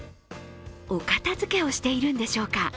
お片づけをしているんでしょうか。